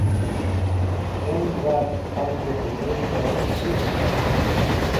S̃hẽpem zas̃h khalgẽ pẽzuvẽ chut̃ cart.